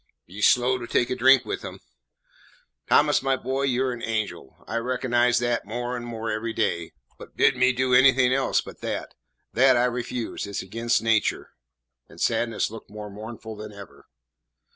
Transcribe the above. "Be slow to take a drink from him." "Thomas, my boy, you 're an angel. I recognise that more and more every day, but bid me do anything else but that. That I refuse: it 's against nature;" and Sadness looked more mournful than ever.